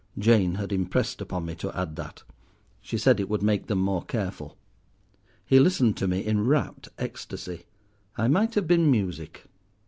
Jane had impressed upon me to add that. She said it would make them more careful. "He listened to me in rapt ecstacy. I might have been music.